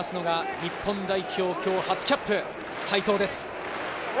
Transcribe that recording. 日本代表、今日初キャップ齋藤です。